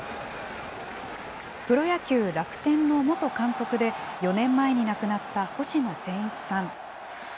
プロ野球・楽天の元監督で、４年前に亡くなった星野仙一さん。